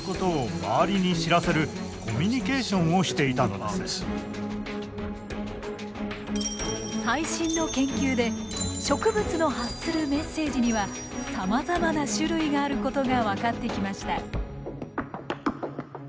つまり彼らは最新の研究で植物の発するメッセージにはさまざまな種類があることが分かってきました。